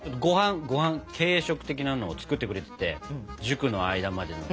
ごはん軽食的なのを作ってくれてて塾の間までの。